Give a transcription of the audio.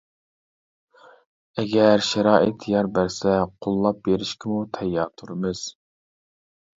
ئەگەر شارائىت يار بەرسە قوللاپ بېرىشكىمۇ تەييار تۇرىمىز.